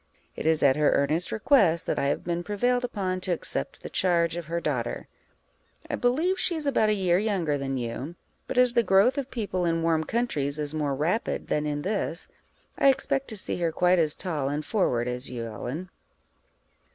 It is at her earnest request that I have been prevailed upon to accept the charge of her daughter. I believe she is about a year younger than you; but as the growth of people in warm countries is more rapid than in this, I expect to see her quite as tall and forward as you, Ellen.